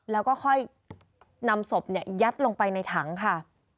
แล้วก็ค่อยนำศพยัดลงไปในถังค่ะ